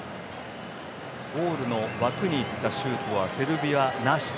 ゴールの枠にいったシュートはセルビア、なし。